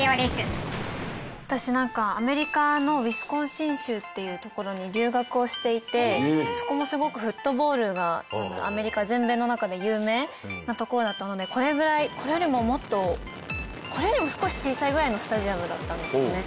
私なんかアメリカのウィスコンシン州っていう所に留学をしていてそこもすごくフットボールがアメリカ全米の中で有名な所だったのでこれぐらいこれよりももっとこれよりも少し小さいぐらいのスタジアムだったんですよね。